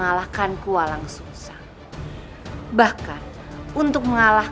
apakah kau merupakan kejatuh